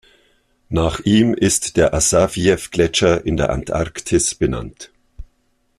Nach ihm ist der Assafjew-Gletscher in der Antarktis benannt.